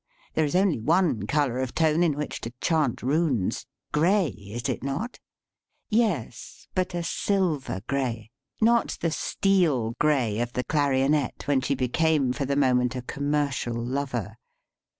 There is only one color of tone in which to "chant runes." Gray, is it not? Yes, but a silver gray, not the steel gray of 74 STUDY IN TONE COLOR the clarionet when she became for the mo ment a commercial lover.